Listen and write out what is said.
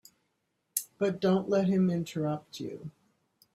But don't let him interrupt you.